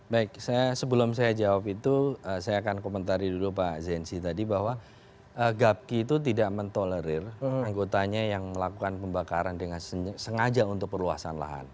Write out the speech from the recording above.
baik sebelum saya jawab itu saya akan komentari dulu pak zensi tadi bahwa gapki itu tidak mentolerir anggotanya yang melakukan pembakaran dengan sengaja untuk perluasan lahan